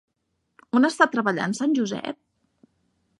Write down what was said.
On està treballant sant Josep?